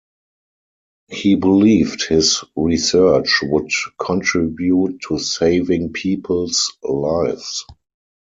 He believed his research would contribute to saving people's lives.